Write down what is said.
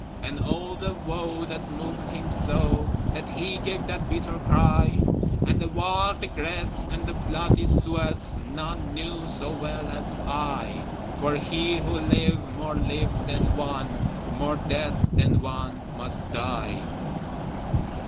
And all the woe that moved him so That he gave that bitter cry, And the wild regrets, and the bloody sweats, None knew so well as I: For he who live more lives than one More deaths than one must die.